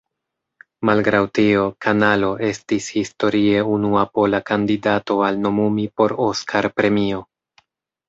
Malgraŭ tio "Kanalo" estis historie unua pola kandidato al nomumi por Oskar-premio.